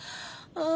ああ。